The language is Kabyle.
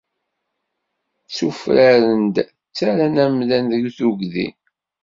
Ttufraren-d ttarran amdan deg tuggdi.